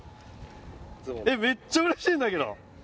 えっめっちゃうれしいんだけど！